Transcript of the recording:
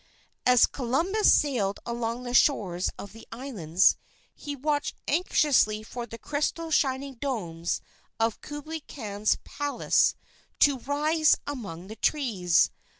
As Columbus sailed along the shores of the islands, he watched anxiously for the crystal shining domes of Kublai Khan's Palace to rise among the trees.